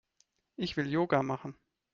Ich will Yoga machen.